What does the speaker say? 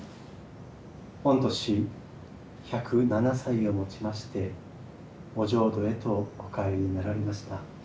御年１０７歳をもちましてお浄土へとお帰りになられました。